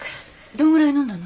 どんぐらい飲んだの？